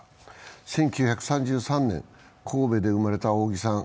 １９３３年、神戸で生まれた扇さん。